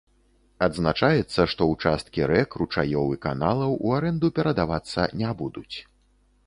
Адзначаецца, што ўчасткі рэк, ручаёў і каналаў у арэнду перадавацца не будуць.